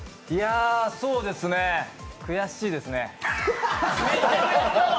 そうですね悔しいですね。